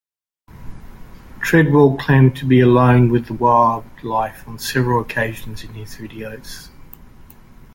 Treadwell claimed to be alone with the wildlife on several occasions in his videos.